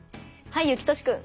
はいゆきとしくん。